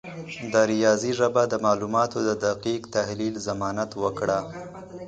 د ریاضي ژبه د معلوماتو د دقیق تحلیل ضمانت وکړه.